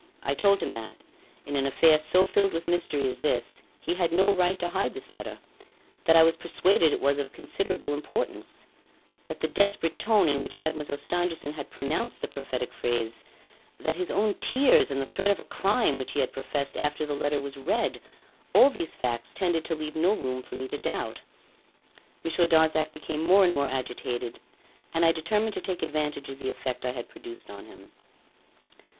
I told him that in an affair so filled with mystery as this, he had no right to hide this letter; that I was persuaded it was of considerable importance; that the desperate tone in which Mademoiselle Stangerson had pronounced the prophetic phrase, that his own tears, and the threat of a crime which he had professed after the letter was read all these facts tended to leave no room for me to doubt. Monsieur Darzac became more and more agitated, and I determined to take advantage of the effect I had produced on him.